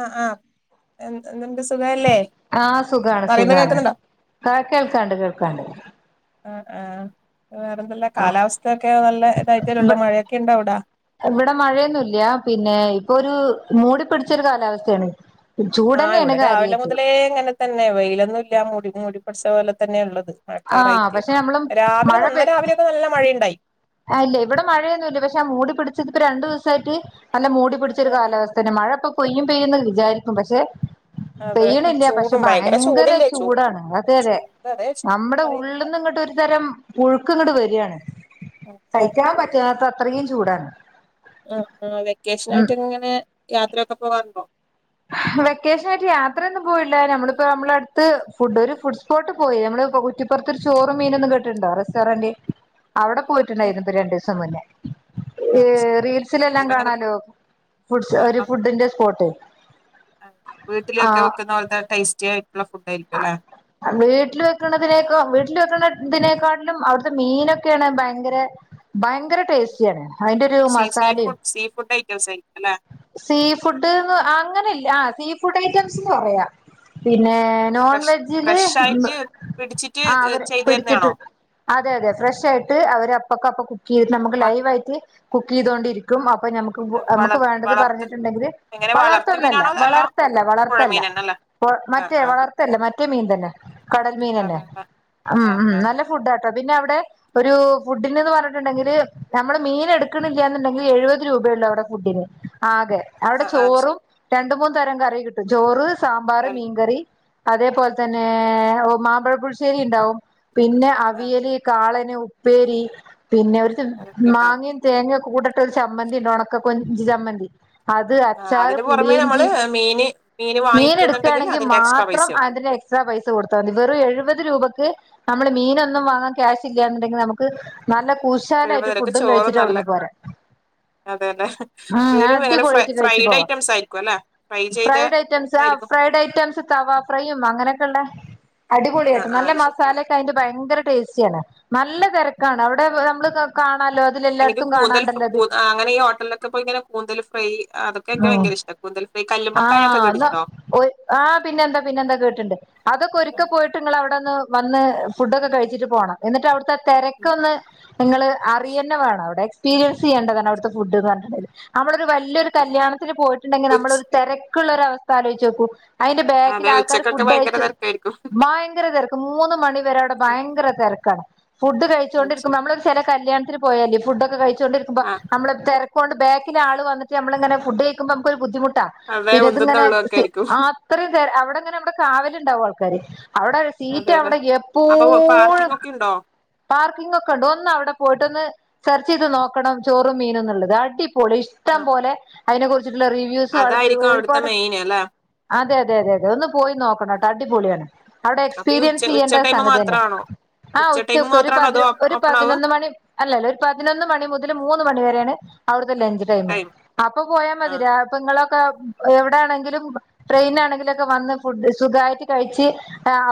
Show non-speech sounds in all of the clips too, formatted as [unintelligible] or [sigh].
ആ ആ എന്ത ആ സുഖാണ് പറയുന്ന സുഖാണ് കേൾക്കുന്നുണ്ടോ ആ കേൾക്കാ ണ്ട് കേൾക്കാണ്ട് ആ ആ വേറെന്തെല്ലാ കാലാവസ്ഥക്കെ നല്ല ഇതായിട്ടി ലു ള്ളെ മഴയൊക്കെ ഉണ്ടവടെ? പ്പൊരു മൂടി പിടിച്ചൊരു കാലാവസ്ഥേ ണ്. ആ ഇവിടെ രാവിലെ മുതലേ ഇങ്ങനെ തന്നെ വെയിലൊന്നും ഇല്ല മൂടി മൂടി [unintelligible] പോലെ തന്നെ ഉള്ളത് ആഹ് മഴക്കാറായിട്ട് പക്ഷെ നമ്മളും രാവിലെ നന്ന രാവിലെക്കെ നല്ല മഴയുണ്ടായി ആ ഇല്ലേ ഇവിടെ മഴയൊന്നും ഇല്ലേ പക്ഷെ ആ മൂടി പിടിച്ചത് ഇപ്പ രണ്ടു ദിവസാ യിട്ട് നല്ല മൂടി പിടിച്ചൊരു ആഹ് ആഹ് കാലാവസ്ഥന്നെ മഴ പ്പം പെയ്യും പെയ്യും ന്ന് വിചാരിക്കും പക്ഷെ അതെ പെയ്യി ണില്ല പക്ഷെ ചൂടും ഭയങ്കര ചൂടില്ലേ ചൂ ചൂടാണ് അതെ തെ ചൂട് അതെ ചൂട് നമ്മുടെ ഉള്ള് പറയുന്നില്ല ന്ന് ഇങ് ട്ട് ഒരു തരം പുഴുക്ക് ഇങ്‌ട് വരും [unintelligible] സൈ ആഹ് ക്കാൻ പറ്റ ണ ത്രയും ചൂടാണ് അ ആ വെക്കേഷൻ ഉം ആയിട്ട് ഇങ്ങനെ യാത്ര [unintelligible] വെക്കേഷൻ ആയിട്ട് യാത്രയൊന്നും പോയില്ല ഞമ്മളിപ്പോ നമ്മളട് ത്ത് ഫുഡ് ഒരു ഫുഡ്സ് പോട്ട് പോയി നമ്മള് കുറ്റിപ്പുറത്ത് ചോറ് മീനുംന്ന് കേട്ടിട്ടു ണ്ടോ റസ്റ്റോറന്റ് അവിടെ പോയിട്ടുണ്ടായിരുന്നു രണ്ടീസം മുന്നേ ഇ അത് ശരി ഹ് റീൽസിലെല്ലാം ഫുഡ് അങ്ങനെ കാണാലോ ഫുഡ് ഫുഡ്സ് ആഹ് ഒരു ആഹ് ഫുഡിന്റെ സ്പോട്ട് ആ വീട്ടിലൊക്കെ വെക്കുന്ന പോൽ ത്തെ ടേസ്റ്റി ആയി വീട്ടിൽ വെക്കുന്നതിനേക്ക വീട്ടിൽ വെക്കണ ന്തി നെക്കാട്ടിലും അവിടുത്തെ മീനൊക്കെണ് ഭയങ്കര ഭയങ്കര ടേസ്റ്റിയാണ് അതിന്റെ രു സീ സീ മസാലിം ഫുഡ് സീ ഫുഡ് ഐറ്റംസ് ആയിരിക്കും അല്ലെ സീ ഫുഡ്ന്ന്‌ അങ്ങനെല്ല ആ സീഫു ഐറ്റംസ് പറയാ പിന്നെ നോൺ ഫ്രഷ് വെജ്ജില് ഫ്രഷ് ആയിട്ട് പിടിച്ചിട്ട് ആ അവര് ചെയ്തു പിടി ചി ട്ട് തരുന്നതാണോ അതെ അതെ ഫ്രഷ് ആയിട്ട് അവരപ്പോ ക പ്പോ കുക്കീതിട്ട് നമക്ക് വ ലൈവ ആയിട്ട് കുക്കീ തോണ്ടിരിക്കും അ പ അപൊ ഞ മക്ക് ഞമ്മക് വളർ വേണ്ടത് വളർത്ത് പറഞ്ഞിട്ടുണ്ടെങ്കില് എങ്ങനെ വളർത്ത് വളർത്തൊന്നല്ല മീനാണോ അല്ല വളർത്തല്ല പുഴ വളർത്തല്ല മീനന്നെ അല്ലേ ആഹ് മറ്റേ ആഹ് വളർ ല്ലേ മറ്റേ മീൻ തന്നെ കടൽ മീൻന്നെ അതെ അതെ ഉം ആഹ് ഉ ആഹ് നല്ല ഫുഡാ കേട്ടോ പിന്നെ അവിടെ ഒരു ഫുഡിന്ന് എന്ന് പറഞ്ഞ ണ്ടെങ്കില് നമ്മള് മീൻ എടുക്കണില്ല എന്നുണ്ടെങ്കിൽ എഴുപത് രൂപയള്ളൂ അവിടെ ഫുഡിന് ആകെ അവിടെ ആഹ് ആഹ് ചോറും ശരി രണ്ട് മൂന്ന തരം കറി കിട്ടും ചോറ് സാമ്പാറ് മീൻകറി അതേപോലെ തന്നെ മാമ്പഴപുളി രിയുണ്ടാവും പിന്നെ ആഹ് അവിയല് കാളൻ പിന്നെ ഉപ്പേരി പിന്നെ ഒര്ത് അതൊക്കെ ഉണ്ടാവും മാങ്ങയും തേങ്ങോ കൂടട്ട് ഒരു ചമ്മന്തി ഉണ്ട് ഒണക്ക കൊഞ്ച് ചമ്മന്തി അത് ആഹ് അച്ചാറ് അതിന് പുറമേ പുളിയഞ്ചി നമ്മള് മീന് മീന് വാങ്ങിക്കുന്നുണ്ടെങ്കിൽ അതിന്റെ എക്സ്ട്രാ ഇത്രോം പൈസയാവും അതിന് എക്സ്ട്രാ പൈസ കൊടുത്ത മതി വെറും എഴുപത് രൂപക്ക് നമ്മള് മീനത് എന്നും വാങ്ങാൻ ക്യാശ് ഇല്ലാന്നൊണ്ടെങ്കി നമുക്ക് നല്ല കഴിയുമ്പോ കുശാലായിട്ട് നിനക്ക് ഫുഡും ചോറ് കഴിച്ചിട്ട് നല്ല അവിടുന്ന് പോരാം അതെല്ലെ മു മീനും എങ്ങനെ ഫ്രൈ അടിപൊളിയിട്ട് കഴിച്ചു ഫ്രൈഡ് പോവാം ഐറ്റംസ് ആയിരിക്കും അല്ലെ ഫ്രൈ ചെയ്ത ഫ്രൈഡ് ഐറ്റംസ് ആഹ് ഇതായിരിക്കും ഫ്രൈഡ് ഐറ്റംസ് തവാ കറിയും അങ്ങനൊക്കെ ഉള്ളെ ആ അടിപൊളിയായിട്ടും ആ നല്ല അത് ശരി മസാലകായിട്ടും ഭയങ്കര ടേസ്റ്റി ആണ് നല്ല തിരക്കാണ് അവിടെ വേ നമ്മൾ ഇക്രൊ കന് എനിക്ക് കൂന്തൽ ഫ്രാ കുന്ത അങ്ങനെ ഈ ഹോട്ടലൊക്കെ പോയി ഇങ്ങനെ കൂന്തൽ ഫ്രൈ അതൊക്കെ എനിക്ക് ഭയങ്ക ഇഷ്ടാ കൂന്തല് ആഹ് [unintelligible] ഒര് ആഹ് പിന്നെന്താ പിന്നെന്താ കേട്ടിണ്ട് അതൊക്കെ ഒരിക്ക ഉം, പോയിട്ട് ഇങ്ങള് അവിടെ ഒന്ന് വന്ന് ഫുഡൊക്കെ കഴിച്ചിട്ട് പോണം എന്നിട്ട് അവിടത്തെ തെരക്കൊന്ന് നിങ്ങള് അറിയന്ന വേണം അവിടെ [unintelligible] ചെയ്യേണ്ടതാണ് അവിടുത്തെ ഫുഡ്ഡ്ന്ന് പറഞ്ഞിട്ട്ണ്ടെങ്കില് അവളൊരു വല്ല്യരു അതാണ്. കല്യാണത്തിന് പോയിട്ടുണ്ടെങ്കി ഉച്ച നമ്മളൊരു രക്കുള്ളരൊവസ്ഥ ആലോച്ച് നോക്കൂ അയിന്റെ ബേക്കില് അതെ ആൾക്കാര് ഉച്ചക്കൊക്കെ ഫുഡ് ഭയങ്കര കഴിച്ചു തിരക്കായിരിക്കും ഭയങ്കര തെരക്ക് മൂന്ന് മണിവരെ അവിടെ ഉം, ഉം, ഭയങ്കര തെരക്കാണ്. ഫുഡ് അത് കഴിച്ചോണ്ടിരിക്കുമ്പം ശരി നമ്മൾ ഒരു ചെല കല്യാണത്തിന് പോയാലും ഫുഡ് ഒക്കെ. കഴിച്ചു കൊണ്ടിരിക്കുമ്പോ ആ നമ്മള് തെരക്ക ഇക്കോണ്ട് ബാക്കിലാള് വന്നട്ട് ഞമ്മള് ങ്ങനെ ഫുഡ്ഡ് കയ്ക്കുമ്പോ നമുക്കൊരു ബുദ്ധിമുട്ട അതെ പിന്നെ ഉന്തും അത്ങ്ങനെ തള്ളും ഒക്കെ സി ആയിരിക്കും അത്ര തെര അവിടങ്ങനെ നമ്മടെ കാവല് ഇണ്ടാവും ആൾക്കാര് അവടെ അതെ സീറ്റ് അതെ അവടെ അപ്പൊ പാർക്കിംഗ് എപ്പോഴും ഒക്കെ ഉണ്ടോ പാർക്കിംഗ് ഒക്കെ ഉണ്ട് ഒന്ന് അവടെ പോയിട്ടൊന്ന് സെർച്ച് ചെയ്ത് നോക്കണം ചോറും മീനുന്നുള്ളത് അടി പൊളി ആ, ഇഷ്ടം പോലെ അയിന കുർ ച്ചിട്ട്ള്ള റിവ്യൂസോള് അതായിരിക്കും അവിടുത്തെ ഒരുപാട് മെയിൻ അല്ലെ അതേ അതേ അതേ ഒന്ന് പോയി ഉം, നോക്കണട്ടോ അടിപൊളിയാണ് അവിടെ ഉം. അപ്പൊ ഈ ഉച്ച എക്സ്പീരിയൻസ് ഉച്ച ചെയ്യണ്ട ടൈം സംഗത്യന്നെ. മാത്രമാണോ ആ ഉച്ച ടൈം ഉച്ചക്ക് ഒരു മാത്രമാണോ അതോ പതിനൊ ഒരു ഓപ്പൺ ആവുക പതിനൊന്നു മണി അല്ലല്ലാ ഒരു പതിനൊന്ന് മണി മുതൽ മൂന്ന് മണി വരെ വരേണ് അവ്ട് ത്തെ ലഞ്ച് ടൈം. അപ്പൊ പോയാ ആ മതി രാ ഇപ്പങ്ങളെ എവിടെ ആണെങ്കിലും ട്രെയിനാണെങ്കിലും ഒക്കെ വന്ന് ഫുഡ് സുഖായിട്ട് കഴിച്ച്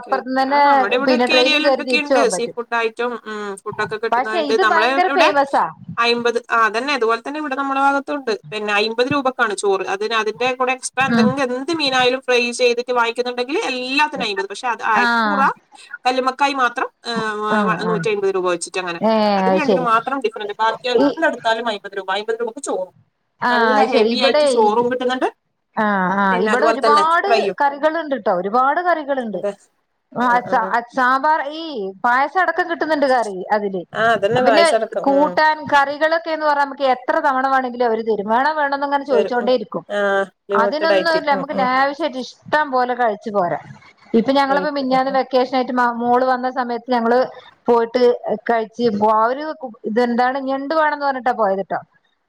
അപ്പുറത്ത് ആ തന്നെ നമ്മുടെ പിന്നെ ഇവിടെയൊക്കെ ട്രെയിനും എരിയേല് കയറി തിരിച്ചു ഇണ്ടൊക്കെയുണ്ട് പോകാൻ സീ പറ്റും ഫുഡ് ഐറ്റം ഉം ഫുഡൊക്കെ പക്ഷെ കിട്ടുന്നത്ണ്ട് ഇത് നമ്മളെ ഭയങ്കര എവിടെ ഫേമസാ അയിമ്പത് ആ അതന്നെ അതുപോലെ തന്നെ ഇവിടെ നമ്മുടെ ഭാഗത്തുണ്ട് പിന്നെ അയിമ്പത് രൂപക്കാണ് ചോറ് അതിന് അത് ൻ്റെ കൂടെ എക്സ്ട്രാ ഉം എന്തെ എന്ത് മീനായാലും ഫ്രൈ ചെയ്ത് റ്റ് വാങ്ങിക്കുന്നൊണ്ട് ഇ എല്ലാത്തിനും അയിമ്പത് പക്ഷെ അത് ആ അയിക്കൂറ കല്ലുമക്കായി മാ ത്രം ആ നൂറ്റിഅൻപത് രൂപ വെച്ചിട്ട് അങ്ങെ ഏ അത് അതൊണ്ടെങ്കിൽ ശരി മാത്രം ഡിഫറന്റ് ബാക്കി ഈ എന്തെടുത്താലും അയിമ്പത് രൂപ പിന്നെ നമുക്ക് ചോറും ആ നല്ല അത് ശരി ഹെവി ഇവിടെ ആയിട്ട് ഇ ചോറും കിട്ടുന്നുണ്ട് ആ ആ പിന്നെ ഇവിടെ അതുപോലെ തന്നെ ഒരുപാട് ഫ്രൈയും കറികളുണ്ട്ട്ടോ ഒരുപാട് കറിക കിട്ടണുണ്ട് അതെ ആ സ അച്ചാ സാമ്പാറ് ഈ പായസം അടക്കം കി കിട്ടുന്നുണ്ട് കറി അതില് ആ അതന്നെ പിന്നെ പായസം അടക്കം ഉം കൂട്ടാൻ കറികളൊക്കെന്ന് പറയുമ്പഴേക്കും എത്ര തവണ വേണെങ്കിലും തരും വേണെ വേണ്ടേന്നങ്ങനെ തരും ഉം ചോദിച്ചോണ്ടേരിക്കും ആഹ് ലിമിറ്റഡ് ആയിട്ട് അതിനൊന്നുവില്ല ഉം നമുക്ക് ഉം ലാവിഷായിട്ട് ഇഷ്ടം പോലെ കഴിച്ചു പോരാം ഇപ്പൊ ഞങ്ങളിപ്പോൾ കഴിക്കും ഉം മിഞ്ഞാന്ന് ഉം വെക്കേഷനായിട്ട് മ മോള് വന്ന സമയത്ത് ഞങ്ങള് പോയിട്ട് കഴിച്ച് ബോ ഒരു കു ഇതെന്താണ് ഞണ്ടു വേണന്ന് പറഞ്ഞിട്ടാ പോയത്ട്ടോ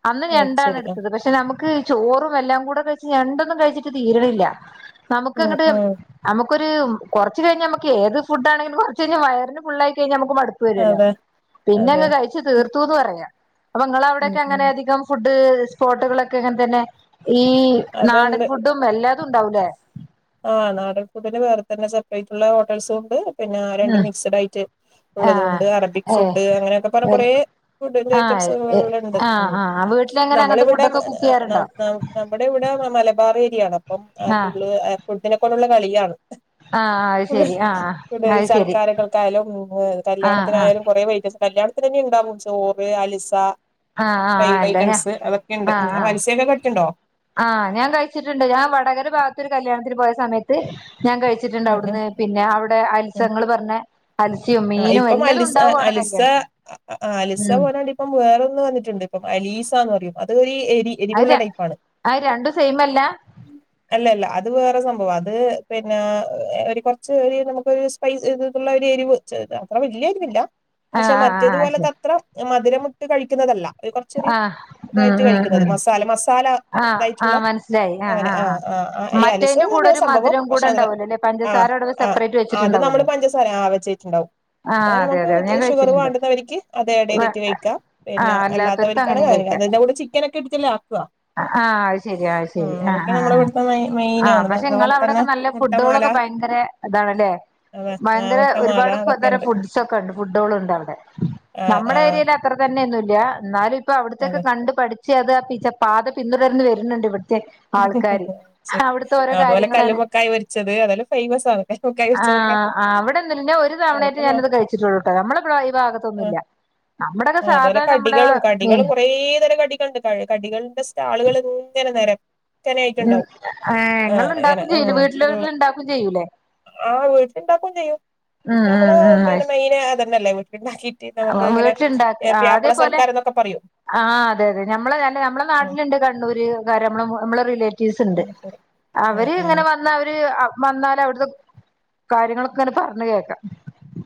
അന്ന് അത് ഞണ്ടാ ശരി ഉം അടുത്തത് പക്ഷേ നമുക്ക് ചോറും എല്ലാം കൂടെ കഴിച്ച് ഞണ്ടൊന്നും കഴിച്ചിട്ട് തീരണില്ല. ഉം നമുക്കങ്ങട്ട് നമു ഉം നമുക്കൊര് കുറച്ച് കഴിഞ്ഞ് നമ്മക്ക് ഏത് ഫുഡ് ആണെിലും കുറച്ചു കഴിഞ്ഞ വയറിന് ഫുള്ളായി കഴിഞ്ഞാ നമക്ക് മടുപ്പ് വരുല്ലോ അതെ അതെ പിന്നെങ്ങ് കഴിച്ചു തീർത്തൂന്ന് പറയാം. അപ്പം ഉം നിങ്ങളവിടൊക്കെ ഉം അങ്ങനെയധികം ഫു്ഡ് [unintelligible] സ്പോട്ടുകളൊക്കെ അങ്ങനെ തന്നെ ഈ നാടൻ അതുണ്ട് ഫുഡും എല്ലാം ഉണ്ടാവൂല്ലേ ആ നാടൻ ഫുഡിന് വേറെ തന്നെ സെപറേറ്റ ഉള്ള ഹോട്ടൽസും ഉണ്ട് പിന്നെ രണ്ട് മിക്സ്ഡായിട്ട് ഉള്ളതു കൊണ്ട് അറബിക് ഫുഡ് അങ്ങനെയൊക്കെ പറഞ്ഞ് ഉം കുറെ ഫുഡിന്റെ ഐറ്റംസ് ആഹ് ഏ ഉള്ളത്ണ്ട് ആഹ് ആഹ് ആഹ് വീട്ടിലെങ്ങനെ അങ്ങനത്തെ നമ്മളിവിടെ ഫുഡൊക്കെ കുക്ക് ന ചെയ്യാറുണ്ടോ ന നമ്മടെ ഇവിടെ മലബാർ ഏരിയാണ് അപ്പം ആഹ് ഫുള് [unintelligible] കൊണ്ടുള്ള കളിയാണ്. ആഹ് അത് ശരി ആഹ് ഈ അത് ശരി സൽക്കാരങ്ങൾക്കായാലും ആഹ് ആഹ് കല്യാണത്തിനായാലും കൊറേ. [unintelligible] കല്യാണത്തിനു തന്നെ ഉണ്ടാവും ചോറ് അലിസ ആ ആ ഫ്രൈഡ് അല്ല ഞാ ഐറ്റംസ് അതൊക്കെ ഉണ്ട് ആ ഉം ആ അൽസയൊക്കെ കഴിക്കണ്ടോ ആ ഞാൻ കഴിച്ചിട്ടുണ്ട് ഞാൻ വടകര ഭാഗത്തൊരു കല്യാണം ത്തിനു പോയ സമയത്ത് ഞാൻ കഴിച്ചിട്ടുണ്ട് ഉം ഉം അവിടുന്ന് പിന്നെ അവിടെ അൽസ ഉം ഇങ്ങൾ പറഞ്ഞ അൽസിയും ആ മീനും ഇപ്പം എല്ലതും അലിസ ഉണ്ടാവും അവിടെ അലിസ കല്യാണത്തിന് അലിസ ഉം പോലണ്ട് ഇപ്പം വേറൊ വന്നിട്ടുണ്ട് ഇപ്പം അലീസാന്ന് പറയും അത് എരി എരിവുള്ള അത് ടൈപ്പാണ് അത് രണ്ടും സെയിമല്ല അല്ലല്ല അത് വേറെ സംഭവവാ അത് പിന്നെ ഒരു കുറച്ച് ഒര് നമുക്ക് ഒരു സ്പൈസ് ഉള്ള ഒരു എരിവ് [unintelligible] അത്ര വല്ല്യ എരിവില്ല ആ പക്ഷേ ആ ആ മറ്റേതുപോലത്തെ ശരി അത്ര മധുരമുട്ട് കഴിക്കുന്നതല്ല. അത് കുറച്ചൊരു ആ ഉം ഇതായിട്ട് ഉം കഴിക്കുന്നത് ഉം മസാല മസാല ആ ഇതായിട്ടുള്ള ആമനസ്സിലായി ആ ആ ആ ഈ അലിസ മറ്റേതിന്റെ കൂടെ തന്നെയാ ഒരു സംഭവം മധുരം പക്ഷെ കൂടെ അതിന് ഉണ്ടാവല്ലോ അല്ലെ ആ പഞ്ചസാരടേത് സെപ്പറേറ്റ് വെച്ചിട്ടുണ്ടാവല്ലോ. ണ്വും ആ അ അതെ നമുക്ക് അതെ അത് ഞാൻ ഷുഗർ കഴിച്ചിട്ടുണ്ട് വാണ്ടുന്നവർക്ക് അത് ആഡ് ചെയ്തിട്ട് കഴിക്കാം ആ പിന്നെ അല്ലാത്തവർക്ക് അല്ലാത്തവർക്കാണ് അങ്ങനെയും അതിന്റെ കൂടെ ചിക്കൻ ഒക്കെ ഇട്ടിട്ടല്ലേ ആക്കുക ആഅത് ശരി ആ ഉം ശരി ആ അതൊക്കെ ആ നമ്മുടെ ആ ഇവിടുത്തെ ആ മെയിനാണ് പക്ഷെ നിങ്ങടെ അതുപോലെ തന്നെ അവിടൊക്കെ നല്ല മുട്ടമാല ഫുഡുകളൊക്കെ ഭയങ്കര ഇതാണല്ലേ അതെ ഭയങ്കര മുട്ടമാല അതൊക്കെ [inaudible] ഉണ്ട് ഫുഡ്സ് ഒക്കെ ഉണ്ട് ഫുഡ്കൾ ഉണ്ട് അവിടെ ആ ആ നമ്മുടെ ഏരിയയിൽ അത്ര തന്നെന്നും ഇ ഇല്യാ എന്നാലും ഇപ്പ അവിടുത്തെക്കെ അതെ കണ്ട് പഠിച [unintelligible] പാത പിന്തുടർന്ന് വരുന്നുണ്ട് ഇവിടെ ഓരോ അതുപോലെ കാര്യങ്ങളാണ് കല്ലുമക്കായ പൊരിച്ചത് അതല്ലോ ഫേമസ് ആണ് കല്ല്മക്കായ പൊരിച്ചതൊക്കെ ആഹ് ആഹ് അവിടെന്നുല്ല ഞാൻ ഒരു അതൊക്കെ തവണയായിട്ട് ഞാനത് കഴിച്ചിട്ടുള്ളൂട്ടോ നമ്മളെ ഇവടെ ഈ ഭാഗത്തൊന്നുമില്ല നമ്മുടെയൊക്കെ ആ അതുപോലെ സാധാ നമ്മുടെ കടികളും മീൻ കടികളും കൊറേ തരം കടികളുണ്ട് ക കടികളന്റെ ആളുകൾ [unintelligible] നേരം ഉം കന്നായിട്ടുണ്ടാവും ഏഹ് ആ ഇങ്ങള് ഇങ്ങനെ ഇണ്ടാക്കും ചെയ്യൂലേ വീട്ടില് ഉം വീട്ടില് ഇണ്ടാക്കും ചെയ്യൂലേ ആ വീട്ടിൽ ഉണ്ടാക്കോം ചെയ്യും വീട്ടി ഉം നമ്മള് ഉം പിന്നെ മെയി [unintelligible] ണ്ടാക്കീട്ട് നമുക്ക് ഉം ഇങ്ങനെ പിയാപ്ല സൽക്കാരോന്നൊക്കെ പറയു ആ അതെ അതെ നമ്മളെ അല്ല നമ്മളെ നാട്ടിലുണ്ട് കണ്ണൂര് ര് അമ്മളെ അമ്മളെ റിലേറ്റീ കീസുണ്ട്. ആഹ് അവര് ഇങ്ങനെ ആഹ് വന്ന അവര് വന്നാലവ്ട്ത്തു കാര്യങ്ങളൊക്കെ ഇങ്ങനെ പറഞ്ഞു കേക്കാം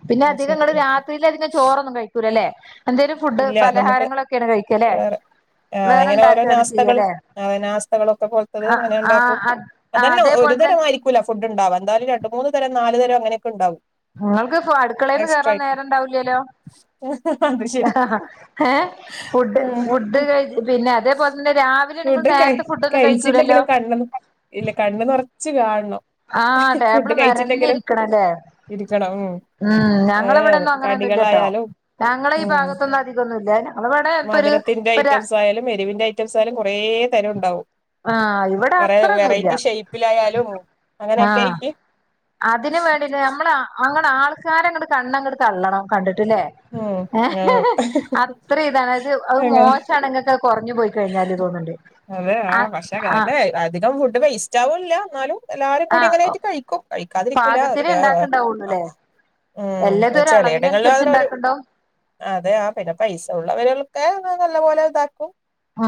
പിന്നെ ആഹ് ശരി അധികംങ്ങൾ രാത്രിയിലധികം ചോറൊന്നും കഴിക്കൂല ല്ലേ എന്തേലും ഫുഡ് ഇല്ല നമുക്ക് പലഹാരങ്ങളൊ വേറെ ആ ഇങ്ങനെ ഓരോ നാസ്തകൾ ചെയ്യല്ലേ നാസ്തകളൊക്കെ പോലത്തത് ആഹ് അങ്ങനെ ആഹ് ഉണ്ടാക്കും. ആഹ് അതന്നെ ഒരു അതേപോലെ തരം തന്നെ ആയിരിക്കൂല ഫുഡ് ഉണ്ടാവു അ എന്താലും രണ്ട് മൂന്ന് തരം നാല് തരം അങ്ങനൊയൊക്കെ ഉണ്ടാവും നിങ്ങൾക്ക് ഫു അടുക്കളേന്ന് എക്സ്ട്രാ കേറാൻ ആയിട്ട് നേരം ഇണ്ടാവൂലല്ലോ? അത് ആ ശരി ഏ ഫുഡ് ആഹ് ഫുഡ് കഴി പിന്നെ അതേപോലെ തന്നെ രാവിലെ നിങ്ങൾ ഫുഡ് കഴി നേരത്തെ ഫുഡ് ഒന്നും കഴിക്കൂലല്ലോ? കഴിച്ചില്ലെങ്കിലും ഇജ് കാണണം ആ ഫുഡ് ടേബിള് കഴിച്ചില്ലെങ്കിലും നിരന്നിരിക്കണല്ലേ? ഉം ഏഹ് ഞങ്ങളവിടെന്നും അങ്ങനൊന്നും ഇല്ല ട്ടോ. കടികളായാലും ഞങ്ങളെ ഈ ഉം ഭാഗത്തൊന്നും അധി മധുരത്തിന്റെ ഐറ്റംസ് ആയാലും എരിവിന്റെ ഐറ്റംസ് ആയാലും കുറേ തരം ണ്ടാവും. ആ ഇവിടെ അത്രോന്നില്ല. ഷേപ്പിലായാലും ആ അങ്ങനെയൊക്കെയിട്ട് അതിന് വേണ്ടിട്ട് നമ്മളെ ആങ്ങ ആൾക്കാരങ്ങട് കണ്ണങ്ങട് തള്ളണം കണ്ടി റ്റ്ലേ ഉം ആഹ് അത്ര ഇതാണ് അത് ഔ അങ്ങനെ മോശാണ് നിങ്ങക്ക കുറഞ്ഞു പോയി കഴിഞ്ഞാല് തോന്നിണ്ട് ആ പക്ഷേകതന്നെ അധികം ഫുഡ് വെയ്സ് റ്റാവൂല്ല എന്നാലും എല്ലാരും കൂടി ആഹ് അങ്ങനായിട്ട് കഴിക്കും. കഴിക്കാതിരിക്കൂല. പാകത്തിനെ ഇണ്ടാക്ക്ണ്ടാവുള്ളൂല്ലേ [unintelligible] ഉം എല്ലതും ഒരു ച്ചിലയിടങ്ങളിൽ അളവിനനുസരിച്ച് അങ്ങനൊരു ഇണ്ടാക്ക്ണ്ടാവും അതെ ആ പിന്നെ പൈസ ഉള്ളവരുളൊക്കെ നല്ല പോലെതാക്കും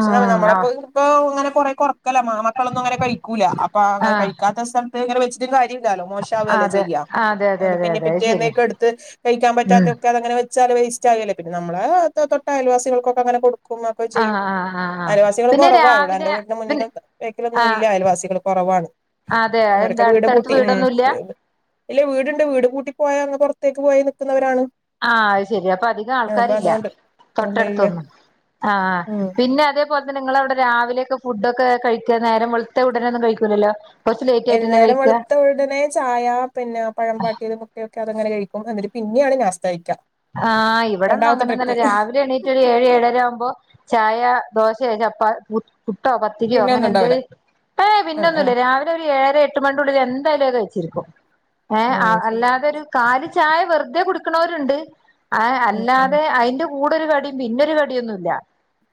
ക്ഷ ആഹ് നമ്മളിപ്പൊത് പ്പോ അങ്ങനെ കുറേ കുറ ക്കല ആമക്കളൊന്നും അങ്ങനെ കഴിക്കൂല. അപ്പൊ അങ്ങനെ ആഹ് കഴിക്കാത്തേസം [unintelligible] ഇങ്ങനെ വെച്ചിട്ടും കാര്യം ല്ലാലോ? മോശാവല്ലേ അതെ ചെയ്യാ. അതെ അതെ അത് അതെ പിന്നെ അതെ ശരിയാ പിറ്റേന്നേക്ക് എടുത്ത് കഴിക്കാൻ ഉം പറ്റാത്തെ ഒക്കെ അതങ്ങനെ വെ വച്ചാല് വേസ്റ്റ് ആകല്ലേ പിന്നെ നമ്മള് തൊ തൊട്ട അയൽവാസികൾക്കൊക്കെ അങ്ങനെ കൊടു ക്കും ഒക്കെ ചെയ്യും. ആഹ് ആഹ് ആഹ് ആഹ് അയൽവാസികളും പിന്നെ കൊറവാ ഇവിടെ എന്റെ രാവിലെ വീടിന്റെ പിന്നെ മുന്നിലും ബാക്കിലൊന്നും ആഹ് ഇല്ല അയൽവാസികൾ കുറവാണ്. അതെ അവരൊക്കെ എന്താ വീട് അടുത്തടുത്ത് പൂട്ടി ഉം വീടൊന്നുല്ല ഇല്ല വീടുണ്ട് വീട് കൂട്ടി പോയാ അങ്ങ് പുറത്തേക്ക് പോയി നിക്കുന്നവരാണ് ആ അത് ശരി അപ്പൊ അധികം അപ്പൊ ആൾക്കാരില്ല അതുകൊണ്ട് ഇല്ല ഇല്ല തൊട്ടടുത്തൊന്നും ആ ഉം പിന്നെ അത തുപോലെതന്നെ നിങ്ങളവിടെ രാവിലെയൊക്കെ ഫുഡ് ഒക്കെ കഴിക നേരം വെളത്തെ ഉടനെ ഒന്നും കഴിക്കില്ലല്ലോ നേരം വളുത്തഉടനെ ചായ പിന്നെ പഴം പാട്ടിയതും ഒക്കെൊക്കെ അതങ്ങനെ കഴിക്കും എന്നിട്ട് പിന്നെയാണ് നാ ആ ഇവിടന്നും അങ്ങനൊന്നല്ല ട്രിപ്പ് രാവിലെ എണീറ്റൊരു ഏഴ് ഏഴര ആവുമ്പോ ചായ ദോശ ചപ്പാ പു പുട്ടോ പത്തിരിയോ പിന്നെ അങ്ങനെ ഒന്നും ഉണ്ടാവില്ല എന്തേലും ഏ ആ ആ പിന്നെന്നുല്ല രാവിലെ ഒരു ഏഴര എട്ട് മ എട്ടുനുള്ളിൽ എന്തായാലും ഞ കഴിച്ചിരിക്കും ഏഹ ഉം ശരി അല്ലാതെരു കാല ചായ വെറുതെ കുടിക്കണവരുണ്ട് ആ ഉം ഉം അല്ലാതെ അതിന്റെ കൂടൊരു കടിയും പിന്നൊരു കടിയൊന്നുല്ല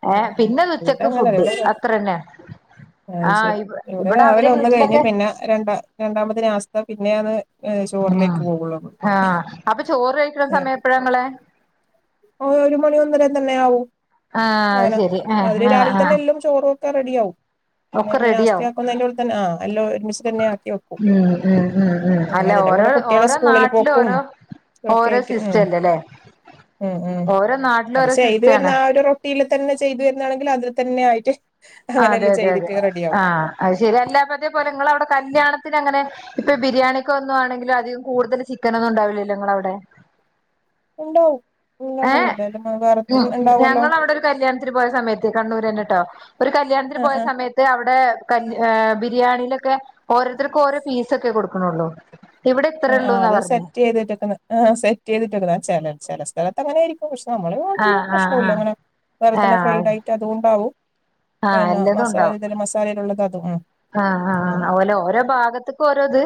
ആ ഏഹ് പിന്നത് ഇവിടെ ഉച്ചക്ക് അങ്ങനെല്ല ഫുഡ് ഇവട അത്രന്നെ ആ ആഹ് ശരി ഇവ് ഇവിടെ അവരെ രാവിലെ ഒന്ന് കഴിഞ്ഞ് വീട്ടിലൊക്കെ പിന്നെ രണ്ട രണ്ടാമതി നാസ്ത പിന്നെആന്ന് ഉ ആ അപ്പൊ ചോറ് കഴിക്കണംസമയം എപ്പഴാ നിങ്ങളെ ഓ ഒരു മണി ഒന്നര തന്നെ ആവും ആ അങ്ങനെ. ശരി ആ അതില് ആ രാവിലെ ആ തന്നെ എല്ലും ചോറും ഒക്കെ റെഡിയാവും പിന്നെ നാസ്തേ ആക്കുന്നെ ന്റെ ഉള്ളിൽത്തന്നാ എല്ലാം ഒരുമിച് ഉ ഉ ഉ ഉ ഉം അല്ല അതിന്റെ ഓരോ കൂടെ കുട്ടികളെ ഓരോ സ്കൂളിൽ നാട്ടിലും പോക്കും ഓരോ ഒക്കെ ഓരോ ആയിട്ട് ഉം സിസ്റ്റം അല്ലേ ലെ ഉം ഉം അത് ചെയ്ത് വരുന്ന ആ ഒരു റുട്ടീല് തന്നെ ചെയ്തു എന്നാണെങ്കിൽ അത് തന്നെ ആയിട്ട് ആ അതെ അങ്ങനെല്ലാം അതെ അതെ ചെയ്തിട്ട് ആ റെഡിയാവും. അത് ശെരി അല്ലാപ്പ അതേപോലെ നിങ്ങളവിടെ കല്യാണത്തിന് അങ്ങനെ ഇപ്പൊ ബിരിയാണിക്ക ഒന്നും ആണെങ്കിലും അധികം കൂടുതൽ ചിക്കൻ ഒന്നും ഉണ്ടാവില്ലോ നിങ്ങവിടെ ഇണ്ടാവും ഇല്ലാണ്ടൊന്നൂല്ല [unintelligible] വേറെ ഇണ്ടാവു അല്ലോ ഇത്തിരി പോയ സമയത്ത് കണ്ണൂര് ചെന്നിട്ടോ? ഒരു കല്യാണത്തിന് പോയ ആഹ് സമയത്ത് അവിടെ കല്യാ ആഹ് ബിരിയാണീയിലൊക്കെ ഓരോരുത്തർക്കും ഓരോ പീസൊക്കെ കൊടുക്കണള്ളൂ. ആഹ് ആഹ് അത് സെറ്റ് ചെയ്തിട്ടേക്കുന്ന ആ സെറ്റ് ചെയ്തിട്ടേക്കുന്ന ചില ചില സ്ഥലത്ത് അങ്ങനെ ആരിക്കും പക്ഷേ നമ്മുടെ ഇവിടെ പിന്നെ അങ്ങനെ ആഹ് ആഹ് പ്രശ്നമില്ല ആഹ് അങ്ങനെ വേറെ ഫ്രൈഡ് ആയിട്ട് അതുകൊണ്ടാവും ആ എല്ലതും ഇണ്ടാവും മസാലയിലുള്ളത് അതും ആഹ് ഉം ആഹ് ഓലെ ഓരോ ഭാഗത്തക്കും ഓരോ ഇത്.